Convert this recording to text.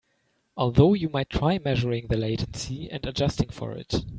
Although you might try measuring the latency and adjusting for it.